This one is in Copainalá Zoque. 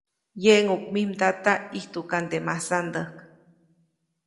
‒Yeʼŋuʼk mij mdata, ʼijtuʼkande masandäjk-.